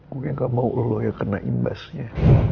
gue gak mau lo yang kena imbasnya